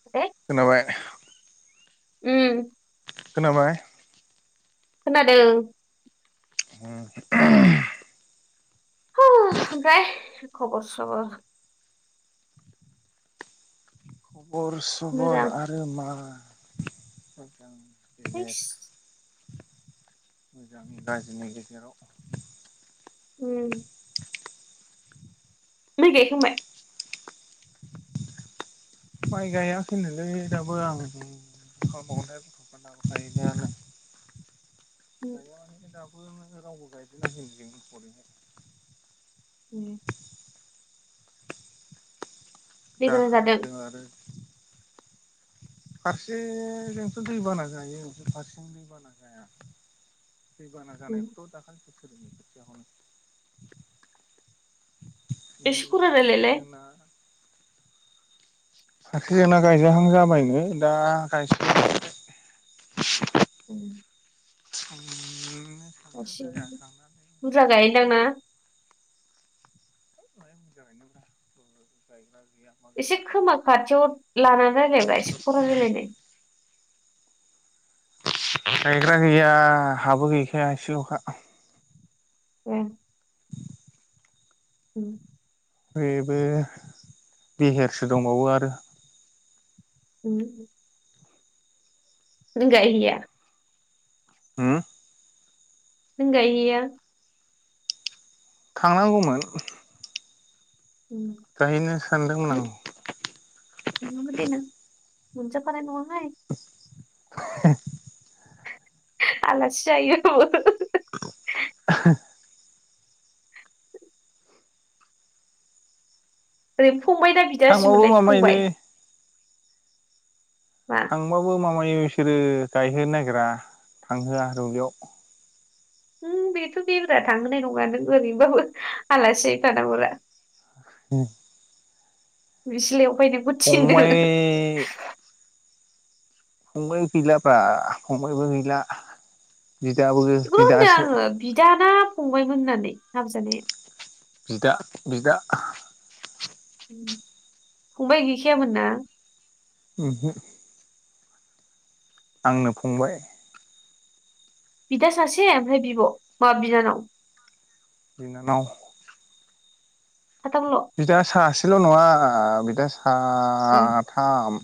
[unintelligible] खोनाबाय उम खोनाबाय खोनादों [inaudible] [inaudible] ओमफाय खबर सबर खबर सबर मोजां आरो मा होननो? [unintelligible] बिदिनो थैस मोजां गाज्रिनि गेजेराव उम माइ‌ गायखांबाय। माइ गायाखैनोलै दाबो आं मा खालाम बावनो? [unintelligible] [unintelligible] उम, गाय माने दाबो रावबो गायदोंनो उम दैबाना जादों दाखालिसो आरो फारसेजोंथ' दैबाना जायो फ्राय फारसेजों दैबाना जाया। दैबाना उम जानायखौथ' दाखालि एसे ओमफ्राय खरा रायलायलाय जोंना [unintelligible] जोंना गायजाहां जाबायमोन। दा [unintelligible] [inaudible] [inaudible] [unintelligible] थांनानै बुरजा गायो दांना? [unintelligible] गायग्रा गैया मा एसे गैया खोमा खाथियाव लानानै रायलाय ब्रा एसे खरा रायलायदो। गायग्रा गैया हाबो गैखाया एसे लखा। उम। [inaudible] बेबो बेहेरसो दंबावो आरो। उम। [unintelligible] उम। [unintelligible] थांनांगौमोन। उम। जाहैनो सानदोंमोन आं। नदिना मोनजफोर [unintelligible] [unintelligible] आलासि जायो। [unintelligible] ओरैनो फंबाय दा थांबाबो बिदाासमोनलाय माबायोलै फंबाय। [unintelligible] थांबाबो माबायो बिसोरो गायहोनो नागिरा थांहोआ रुबलियाव बेथ' बेब्रा थांहोनाय नंङा नों ओरैबाबो आलासि [unintelligible] उम। [unintelligible] बायदि फंबाय फंबबाय गैलाफ्रा फंबबायबो गैला बिदाबो बिदासो बिदाना फंबायमोन होननानै हामजानाया। बिदा बिदा। फंबाय गैखायामोन ना। [unintelligible] [unintelligible] बिदा सासे ओमफ्राय बिब' माबा बिनानाव बिनानाव साथाम ल'। बिदा सासेल' नंङा बिदा ए साथाम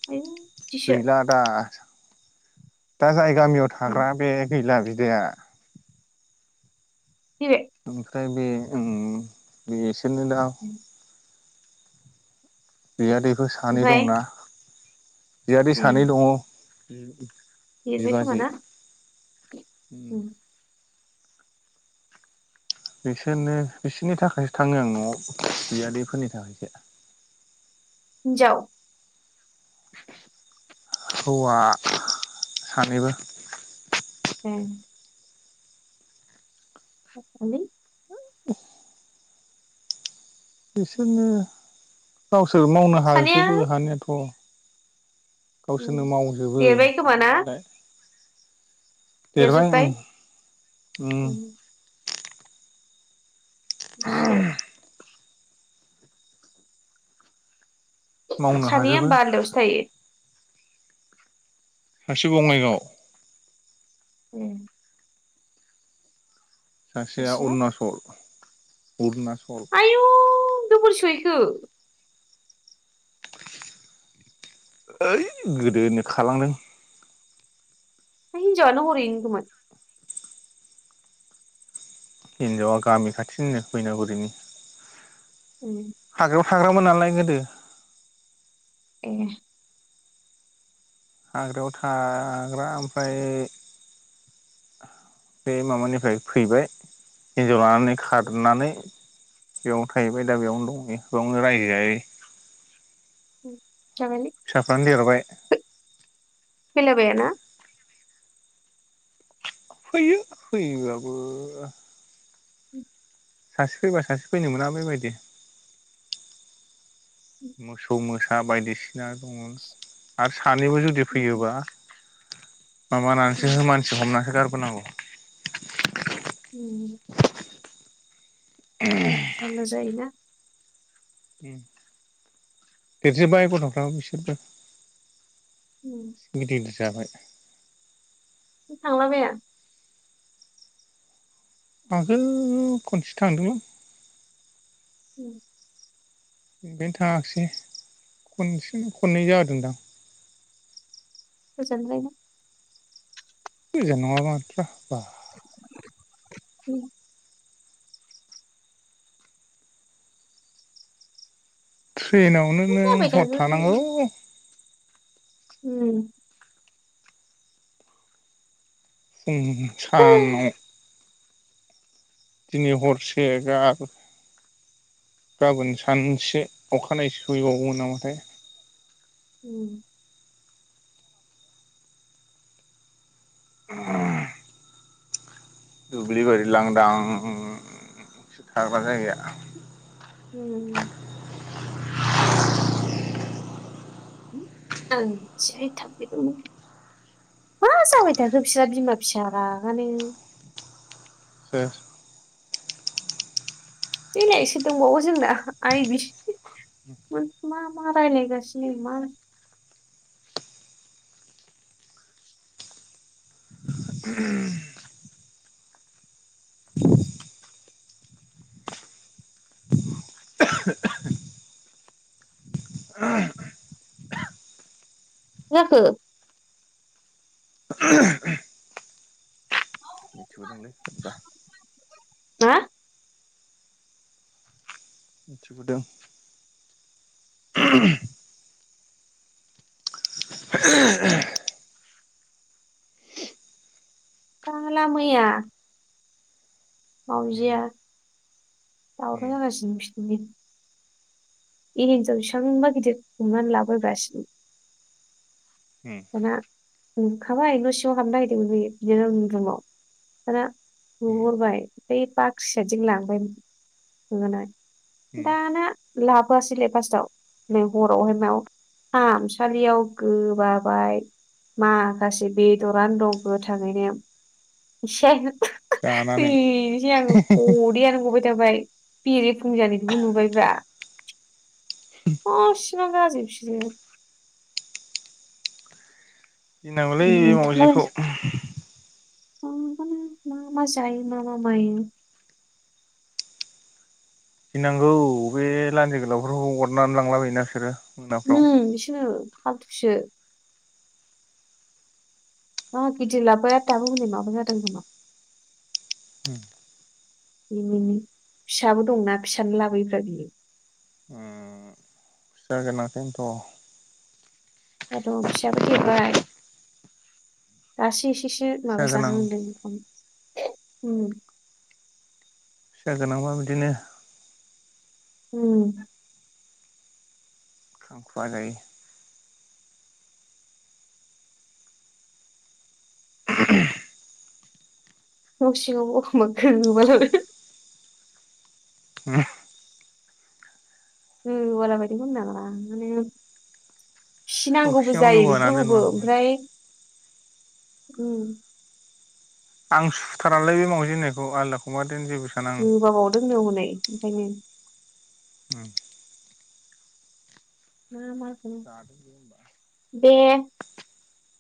[unintelligible] गैला दा दा जाय गामियाव थाग्रा बे गैला बिदाया। [unintelligible] ओमफ्राय बे बे एसोरनो दा ए बियादैफोर सानै ओमफ्राय दंना बियादै ए सानै दंङो। देरबाय खोमा बिबाजै ना उम बिसोरनो बिसोरनि थाखायसो थांङो आं न'आव बियादैफोरनि थाखायसो हिनजाव हौवा सानैबो उम। हेलौ। [inaudible] बिसोरनो गावसोर मावनो सानैया हाजोबो हानियाथ' उम गावसोरनो मावजोबो देरबाय खोमा ना मावनायालाय। देरबाय देरजोब्बाय उम उम। एसे। मावनो सानैया हाजोबो होमबा आलदायावसो थायो। सारसे बङाइगावाव उम। सासेया मिथिया अरुचल अरुनाचल आयु गोबोर सहैखो ओइ गोदोनोनो खालांदों। बै हिनजाव यानो हरै होन हिनजावा गामि खाथिनिनो बैनागुरिनि ओम। हाग्रायाव थाग्रामोन नालाय गोदो ओम। हाग्रायाव थाग्रा ओमफ्राय बे माबानिफ्राय फैबाय हिनजाव लानानै खारनानै बेयावनो थाहैबाय दा बेयावनो दंयावनो रायजो जाहैयो जाबायलै। फिसाफ्रानो देरबाय। फैलाबायाना फैयो फैयोबाबो ओ सासे फैबा सासे फैनो मोना बेबादि मोसौ मोसा बायदिसिना दङ आरो सानैबो जुदि जुदि फैयोबा माबानानैसो मानसि हमनानैसो गारबोनांगौ। ओम। ओम। जारला जायो ना। देरजोबबाय गथ'फ्राबो बिसोरबो ओ उम। गिदिर गिदिर जाबाय। थांलाबाया। आगोल खनसे थांदोंमोन। उम। बेफ्रायनो थाङाखैसै खनसेनो खननै जादोंदां। गोजोनलायनायो गोजान नङा माथ्रा बा उम। ट्रेनावनो नों जाबाय हर थानांगौ। थागोन उम। खम ओम सानाव दिनै हरसे गाबोन गाबोन सानसे अखानायै सहैबावो नामाथाय। उम। [unintelligible] दुब्लि बारि लांदां खाग्रा जायगाया। ओम। ओं जि [unintelligible] मा जाबाय थाखो बिस्रा बिमा फिसा रागायानो सोर ओइलाय सोर दंबावो जोंना आइ बिसि मा मा रायलायगासिनि मा [unintelligible] मा जाखो? [unintelligible] मिथिबोदोंलै सोरबा मा बोदों। बाला मैया मावजिया उम उम दावराव जागासिनो बिसिनिथिं एनजर बेसेबांबा गिदिर हमना लाबोगासिनो। उम दाना हमखाबाय न' सिङाव हाबनो नागिरदोंमोन बियो बिदिनो आंनि रुमाव दा नुहरबाय बाख्रि सायदिं लांबाय होमबाना। उम दाना लाबोआसैलै फास्स्टआव नै हरावहाय मायाव खामसालियाव गोबाबाय। माखासे बेदरानो दं गोथाङैनो एसे जानानै गदैयानो गबाय थाबाय बेरेफुं जानायखौबो नुबायब्रा। मावबिबान गाज्रि बिसोरो गिनांगौलै बे मावजिखौ मा जायो मामा मायो। फिनांगौ बे लान्जि गोलावफोरखौ अरनानै लांला बाययो ना बिसोरो। मोनाफ्राव उम बिसनो फालथुसो। मा गिदिर लाबोबाय आथाबो हनै माबा जादों होनोमा। फिसाबो दंनाा फिसानो लाबोयोफ्रा बियो। उम। जागोन खौनोथ'। दा दं फिसायाबो देरबाय दासो एसेसो फिसा माबा जाहां गोनां होनदों। उम। फिसा गोनांबा बिदिनो। उम। [inaudible] [inaudible] न' सिङावबो एखमबा गोबालाङो। उम। [unintelligible] फिनांगौबो सौखियाव जायो गोबानानै दोनबो बेफोरखौबो आं ओमफ्राय आं सुथारालाय बे मावजि होननायखौ आललाखौबा देन जेबो साना आं गोबाबावदोंनो हनै ओंखायनो [unintelligible] [unintelligible] [unintelligible] बे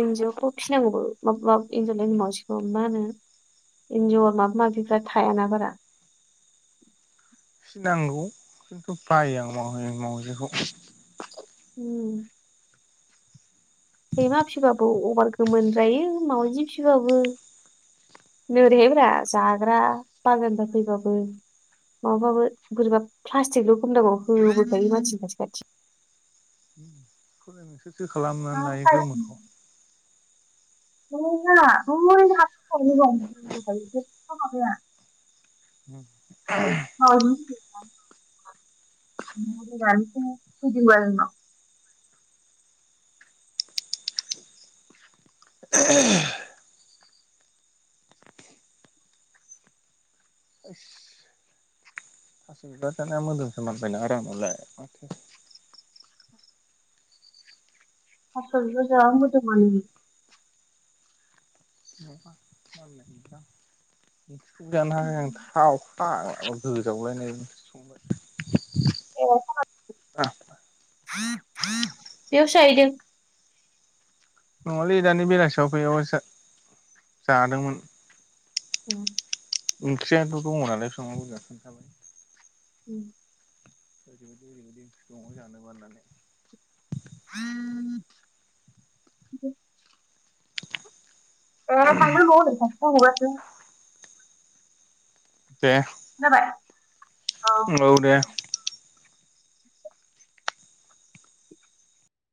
एन्जावखौ फिनांगौ एन्जारलायनो मावसिगौ मा होनो। इन्जर माबा माबिफ्रा थायाना बारा। फिनांगौ खिन्थु बायो आं मावजि मावजिखौ उम। सैमा फिसिबाबो अभार गोमोनद्राय जायो मावजि फिबाबो नोरैहायब्रा जाग्रा बाजारनिफ्राइ फैबाबो माबाबाबो बोरैबा प्लास्टिकल' खमदांगाव होबोखायो मानसिनि खाथि खाथि नोंसोरसो खालामनानै लायो खाथि गोमोनखौ। [unintelligible] [unintelligible] [unintelligible] [inaudible] [inaudible] [unintelligible] थास' बिबार जाबा मोदोम मानो जानो हाया थाव फाग्ला। होजावलायनाय आं बेयावसो जाहैदो। नङालै दानि बेलासियाव फैयो जादोंमोन। [unintelligible] ओंख्रियानोथ' दङ नालाय। [unintelligible] उम। ओरैबादि ओरैबादि ओं दङआव जानोबानानै। [unintelligible] ओ थांनो [unintelligible] दे खोनाबाय औ। औ दे।